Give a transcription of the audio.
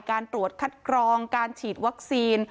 การตรวจคัดกรองการฉีดวัคซีน